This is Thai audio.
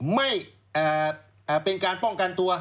ไม่เป็นการป้องกันตัว